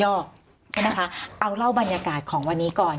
ใช่ไหมคะเอาเล่าบรรยากาศของวันนี้ก่อน